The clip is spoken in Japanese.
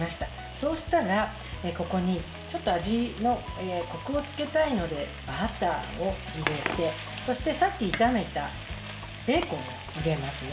そうしたら、ここに味のこくをつけたいのでバターを入れてそして、さっき炒めたベーコンを入れますね。